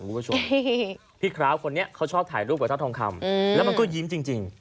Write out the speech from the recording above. บุคชมพี่คล้าวคนนี้เขาชอบถ่ายรูปกับเจ้าทองคำอืมแล้วมันก็ยิ้มจริงจริง